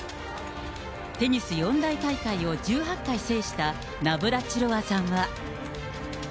テニス四大大会を１８回制したナブラチロワさんは。